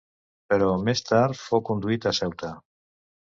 Però més tard fou conduït a Ceuta.